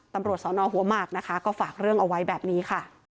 ตำรวจสอนอหัวหมากนะคะก็ฝากเรื่องเอาไว้แบบนี้ค่ะ